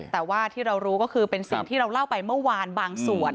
แต่ว่าที่เรารู้ก็คือเป็นสิ่งที่เราเล่าไปเมื่อวานบางส่วน